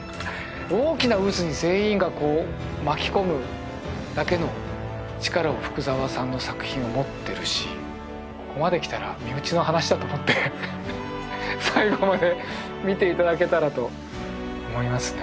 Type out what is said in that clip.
大きな渦に全員が巻き込むだけの力を福澤さんの作品は持ってるしここまできたら身内の話だと思って最後まで見ていただけたらと思いますね